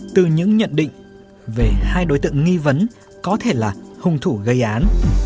từ những nhận định về hai đối tượng nghi vấn có thể là hung thủ gây án